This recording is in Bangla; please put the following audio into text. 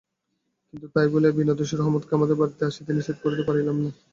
কিন্তু তাই বলিয়া বিনা দোষে রহমতকে আমাদের বাড়িতে আসিতে নিষেধ করিতে পারিলাম না।